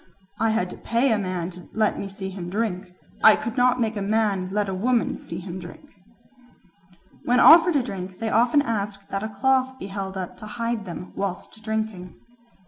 "I had to pay a man to let me see him drink; I could not make a man let a woman see him drink." When offered a drink they often ask that a cloth may be held up to hide them whilst drinking.